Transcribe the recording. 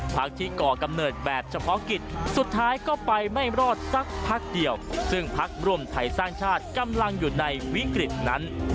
พักที่ก่อกำเนิดแบบเฉพาะกิจสุดท้ายก็ไปไม่รอดสักพักเดียวซึ่งพักรวมไทยสร้างชาติกำลังอยู่ในวิกฤตนั้น